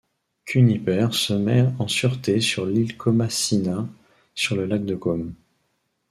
Cunipert se met en sureté sur l'Île Comacina sur le Lac de Côme.